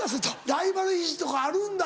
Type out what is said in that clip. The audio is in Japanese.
ライバル意識とかあるんだ。